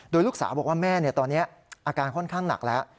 โดยลูกสาวบอกว่าแม่ตอนนี้อาการค่อนข้างหนักแล้ว